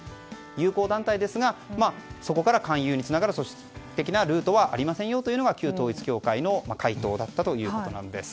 友好団体ですがそこから勧誘につながる組織的なルートはありませんよというのが旧統一教会の回答だったということです。